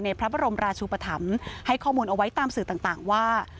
พระบรมราชุปธรรมให้ข้อมูลเอาไว้ตามสื่อต่างว่า